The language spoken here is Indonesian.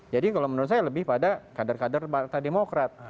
jadi kalau menurut saya lebih pada kadar kadar partai demokrat